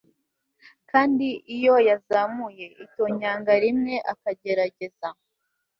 Kandi iyo yazamuye itonyanga rimwe akagerageza